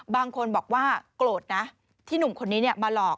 บางคนบอกว่าโกรธนะที่หนุ่มคนนี้มาหลอก